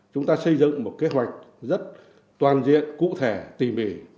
chúng ta xây dựng một kế hoạch rất toàn diện cụ thể tỉ mỉ